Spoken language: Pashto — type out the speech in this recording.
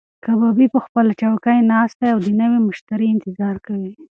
کبابي په خپله چوکۍ ناست دی او د نوي مشتري انتظار کوي.